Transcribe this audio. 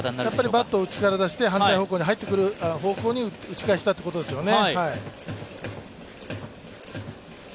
バットを内から出して反対方向に入ってくる方向に打ち返したということですよね。